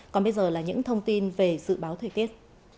còn bây giờ là những thông tin về dự báo thời tiết